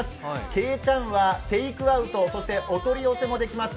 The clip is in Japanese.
けいちゃんはテークアウト、そしてお取り寄せもできます。